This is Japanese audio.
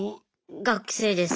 学生です。